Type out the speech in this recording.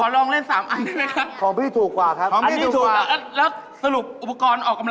ไม่ได้เล่นอันนี้ดีกว่าอันนี้ราคาถูกกว่า